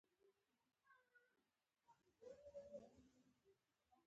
کامن وایس د پښتو ژبې لپاره یوه ازاده لاره پرانیستې ده.